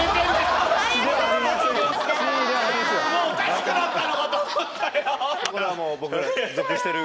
もうおかしくなったのかと思ったよ。